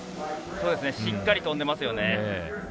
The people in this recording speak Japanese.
しっかり飛んでますよね。